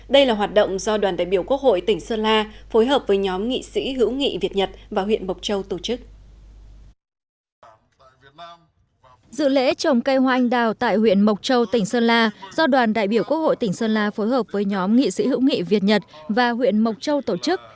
đây là hoạt động do đoàn đại biểu quốc hội tỉnh sơn la phối hợp với nhóm nghị sĩ hữu nghị việt nhật và huyện mộc châu tổ chức